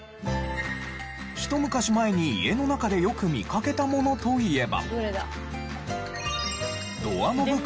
ひと昔前に家の中でよく見かけたものといえば。